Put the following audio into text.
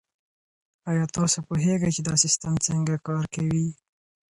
آیا تاسو پوهیږئ چي دا سیستم څنګه کار کوي؟